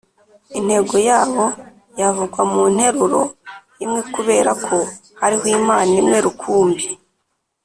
intego yabo yavugwa mu nteruro imwe kubera ko hariho imana imwe rukumbi